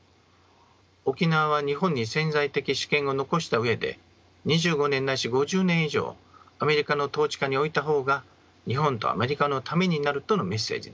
沖縄は日本に潜在的主権を残した上で２５年ないし５０年以上アメリカの統治下に置いた方が日本とアメリカのためになるとのメッセージです。